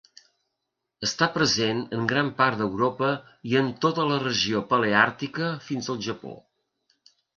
Està present en gran part d'Europa i en tota la regió paleàrtica fins al Japó.